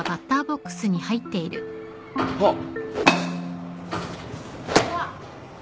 あっ。